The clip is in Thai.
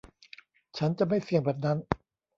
ฉันจะไม่เสี่ยงแบบนั้น